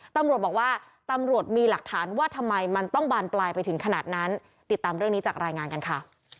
ตำรวจบอกว่าตำรวจมีหลักฐานว่าทำไมมันต้องบานปลายไปถึงขนาดนั้นติดตามเรื่องนี้จากรายงานกันค่ะ